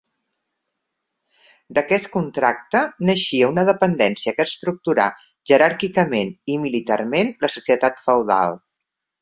D'aquest contracte, naixia una dependència que estructurà jeràrquicament i militarment la societat feudal.